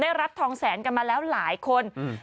ได้รับทองแสนกันมาแล้วหลายคนอืม